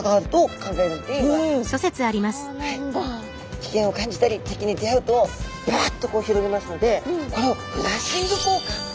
危険を感じたり敵に出会うとバッとこう広げますのでこれをフラッシング効果っていうんですね。